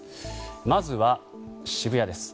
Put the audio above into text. まずは渋谷です。